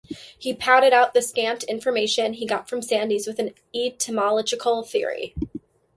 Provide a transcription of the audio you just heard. He padded out the scant information he got from Sandys with an etymological theory.